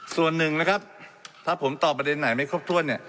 ส่วนหนึ่งนะครับถ้าผมตอบประเด็นไหนไม่ครบถ้วนเนี่ย